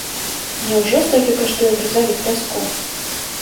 Няўжо столькі каштуе грузавік пяску?